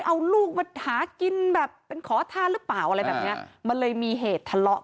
เอาลูกมาถากินแบบเป็นขอทานหรือเปล่า